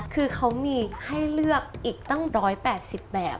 คือเขามีให้เลือกอีกตั้ง๑๘๐แบบ